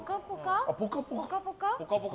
「ぽかぽか」。